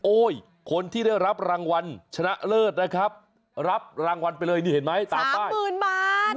คนที่ได้รับรางวัลชนะเลิศนะครับรับรางวัลไปเลยนี่เห็นไหมตามป้ายหมื่นบาท